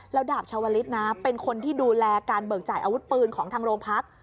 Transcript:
แล้วดาบชาวลิศนะเป็นคนที่ดูแลการเบิกจ่ายอาวุธปืนของทางโรงพัก